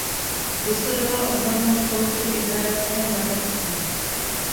Vystudoval odbornou školu při izraelském letectvu.